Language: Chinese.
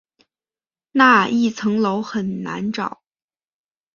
那一层楼很难找